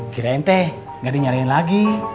kirain teh nggak dinyalain lagi